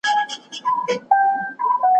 شپه په ورو ورو پخېدلای